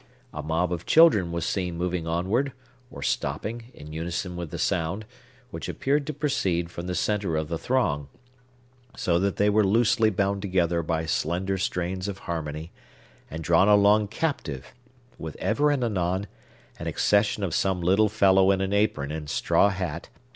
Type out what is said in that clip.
A mob of children was seen moving onward, or stopping, in unison with the sound, which appeared to proceed from the centre of the throng; so that they were loosely bound together by slender strains of harmony, and drawn along captive; with ever and anon an accession of some little fellow in an apron and straw hat, capering forth from door or gateway.